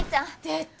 出た。